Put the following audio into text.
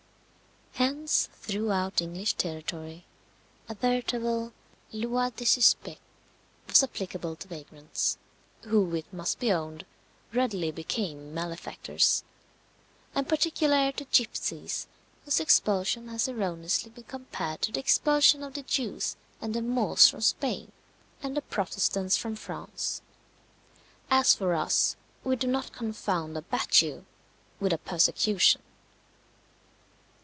Hence, throughout English territory, a veritable "loi des suspects" was applicable to vagrants (who, it must be owned, readily became malefactors), and particularly to gipsies, whose expulsion has erroneously been compared to the expulsion of the Jews and the Moors from Spain, and the Protestants from France. As for us, we do not confound a battue with a persecution.